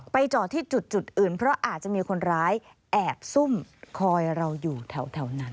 จอดที่จุดอื่นเพราะอาจจะมีคนร้ายแอบซุ่มคอยเราอยู่แถวนั้น